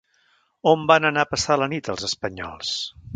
On van anar a passar la nit els espanyols?